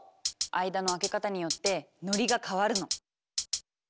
間の空け方によってノリが変わるの。